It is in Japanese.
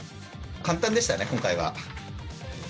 簡単でしたね、今回は。